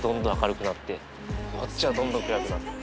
こっちはどんどん暗くなって。